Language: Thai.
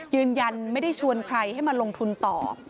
ยืนยันไม่ได้ชวนใครให้มาลงทุนต่อ